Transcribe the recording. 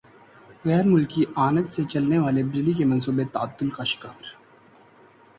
غیر ملکی مالی اعانت سے چلنے والے بجلی کے منصوبے تعطل کا شکار